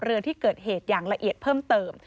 เรือที่เกิดเหตุอย่างละเอียดเพิ่มเติม